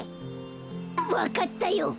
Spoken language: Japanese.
わかったよ。